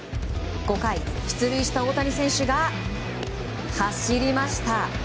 ５回、出塁した大谷選手が走りました。